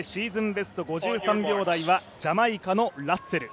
ベスト５３秒台はジャマイカのラッセル。